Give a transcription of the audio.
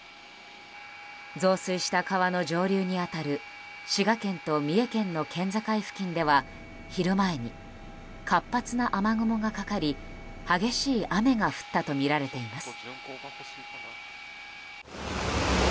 増水した川の上流に当たる滋賀県と三重県の県境付近では昼前に活発な雨雲がかかり激しい雨が降ったとみられています。